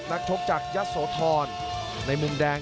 นักชกจากยัสโธรในมุมแดง